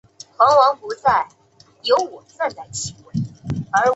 萧何人。